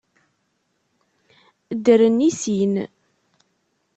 Ddren i sin.